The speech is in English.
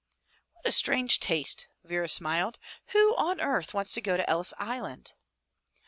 "What a strange taste." Vera smiled. "Who on earth wants to go to Ellis Island?"